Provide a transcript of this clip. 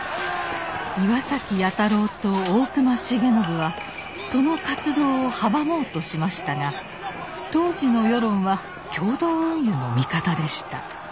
岩崎弥太郎と大隈重信はその活動を阻もうとしましたが当時の世論は共同運輸の味方でした。